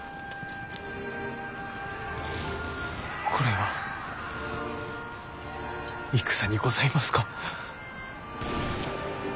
これが戦にございますか？